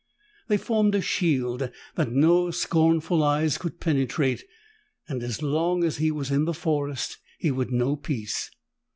They formed a shield that no scornful eyes could penetrate, and as long as he was in the forest, he would know peace.